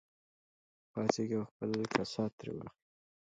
پاڅېږه او خپل کسات ترې واخله.